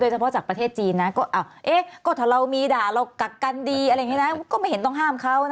โดยเฉพาะจากประเทศจีนนะ